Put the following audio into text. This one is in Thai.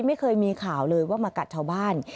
ไม่เคยมีข่าวเลยว่ามากัดชาวบ้าน